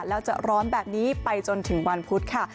แล้วจะร้อนแบบนี้ไปจนถึงวันพุธค่ะ